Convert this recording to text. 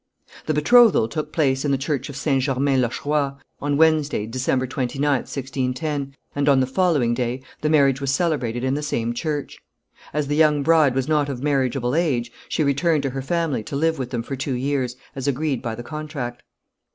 The betrothal took place in the church of St. Germain l'Auxerrois, on Wednesday, December 29th, 1610, and on the following day the marriage was celebrated in the same church. As the young bride was not of marriageable age, she returned to her family to live with them for two years, as agreed by the contract.